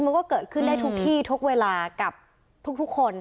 มันก็เกิดขึ้นได้ทุกที่ทุกเวลากับทุกคน